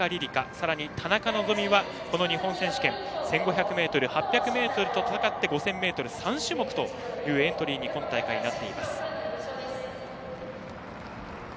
さらに、田中希実はこの日本選手権、１５００ｍ８００ｍと戦って５０００ｍ３種目というエントリーに今大会、なっています。